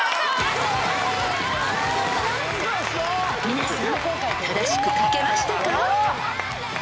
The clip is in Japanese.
［皆さん正しく書けましたか？］